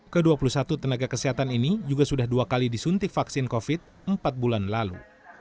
ke dua puluh satu tenaga kesehatan ini juga sudah dua kali disuntik vaksin covid sembilan belas empat bulan lalu